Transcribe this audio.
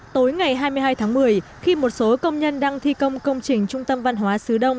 tối ngày hai mươi hai tháng một mươi khi một số công nhân đang thi công công trình trung tâm văn hóa sứ đông